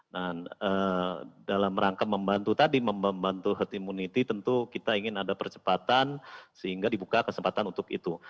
dan dalam rangka membantu tadi membantu herd immunity tentu kita ingin ada percepatan sehingga dibuka kesempatan untuk itu